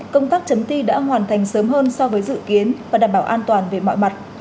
công tác chấm thi đã hoàn thành sớm hơn so với dự kiến và đảm bảo an toàn về mọi mặt